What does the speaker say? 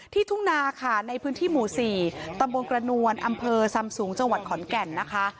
ทุ่งนาค่ะในพื้นที่หมู่๔ตำบลกระนวลอำเภอซำสูงจังหวัดขอนแก่นนะคะ